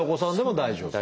大丈夫。